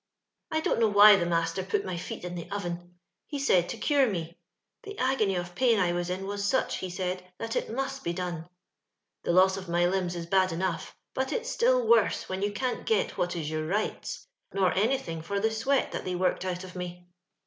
I don't know why the master put my feet in the oven ; he said to cure me : the agony of pain I was in was sach, he said, that it must be done. The loss of my limbs is bad enough, but it's still worse when you cant get what is your rights, nor anything for the sweat that they worked out of me.